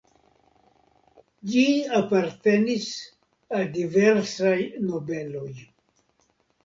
Ĝi apartenis al diversaj nobeloj.